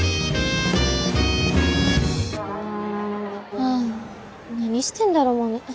ああ何してんだろモネ。